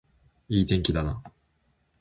いい天気だな